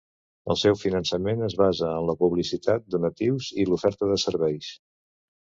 El seu finançament es basa en la publicitat, donatius i l'oferta de serveis.